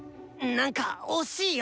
何か惜しいよ！